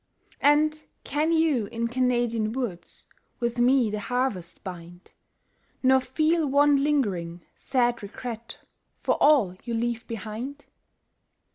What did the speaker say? And can you in Canadian woods With me the harvest bind, Nor feel one lingering, sad regret For all you leave behind?